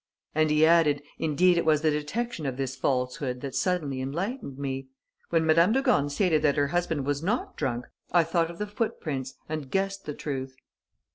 And he added "Indeed it was the detection of this falsehood that suddenly enlightened me. When Madame de Gorne stated that her husband was not drunk, I thought of the footprints and guessed the truth."